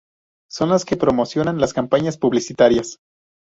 son las que promocionan las campañas publicitarias